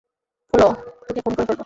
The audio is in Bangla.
খোল, তোকে খুন করে ফেলব।